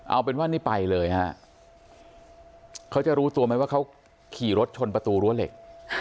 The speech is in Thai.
เอาเป็นว่านี่ไปเลยฮะเขาจะรู้ตัวไหมว่าเขาขี่รถชนประตูรั้วเหล็ก